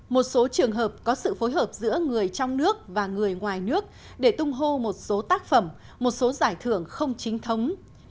một số trường hợp có sự phối hợp giữa người trong nước và người ngoài nước để tung hô một số tác phẩm một số giải thưởng không chính thống